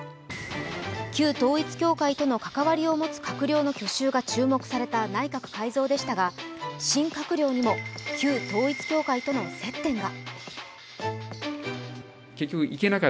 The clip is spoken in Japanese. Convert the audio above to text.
旧統一教会との関わりを持つ閣僚の去就が注目される内閣改造でしたが新閣僚にも旧統一教会との接点が。